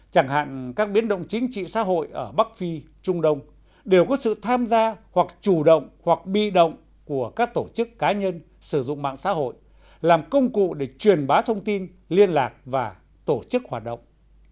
chẳng hạn các biến động chính trị xã hội ở bắc phi trung đông đều có sự tham gia hoặc chủ động hoặc bi động của các tổ chức cá nhân sử dụng mạng xã hội làm công cụ để truyền bá thông tin liên lạc và tổ chức hoạt động